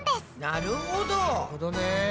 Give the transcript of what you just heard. なるほどね。